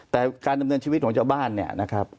แต่การดำเนินชีวิตของชาวบ้านเนี่ยนะครับ